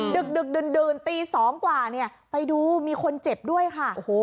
ดึกดึกดึนดื่นตีสองกว่าเนี่ยไปดูมีคนเจ็บด้วยค่ะโอ้โห